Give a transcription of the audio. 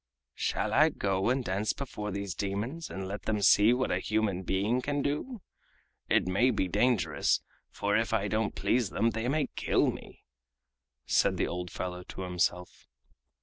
"Shall I go and dance before these demons and let them see what a human being can do? It may be dangerous, for if I don't please them they may kill me!" said the old fellow to himself.